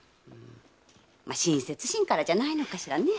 ま親切心からじゃないのかしらね？